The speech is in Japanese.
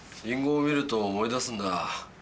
リンゴを見ると思い出すんだ。